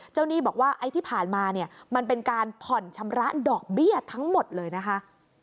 หนี้บอกว่าไอ้ที่ผ่านมาเนี่ยมันเป็นการผ่อนชำระดอกเบี้ยทั้งหมดเลยนะคะ